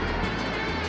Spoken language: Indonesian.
jangan makan aku